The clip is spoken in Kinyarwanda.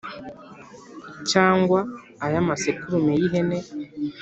cyangwa ay’amasekurume y’ihene